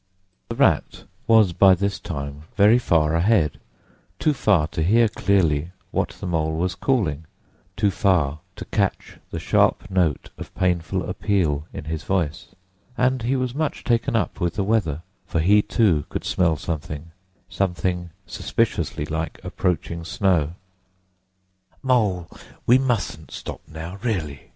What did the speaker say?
The Rat was by this time very far ahead, too far to hear clearly what the Mole was calling, too far to catch the sharp note of painful appeal in his voice. And he was much taken up with the weather, for he too could smell something—something suspiciously like approaching snow. "Mole, we mustn't stop now, really!"